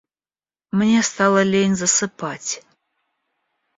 Мне стало лень засыпать.